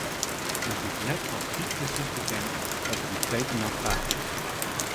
It is noch altyd net presiis bekend wat der dy freedtenachts bard is.